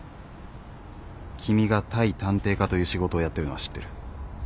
君が対探偵課という仕事をやってるのは知ってる。